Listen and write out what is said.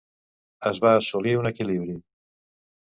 Es va assolir un equilibri.